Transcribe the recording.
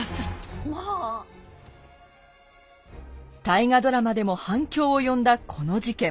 大河ドラマでも反響を呼んだこの事件。